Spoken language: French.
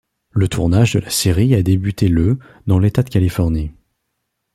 Le tournage de la série a débuté le dans l'état de Californie.